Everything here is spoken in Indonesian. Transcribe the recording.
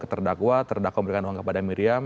terdakwa terdakwa memberikan uang kepada miriam